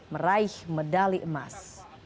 meraih medali emas